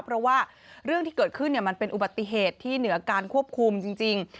เพราะว่าเรื่องที่เกิดขึ้นมันเป็นอุบัติเหตุที่เหนือการควบคุมจริง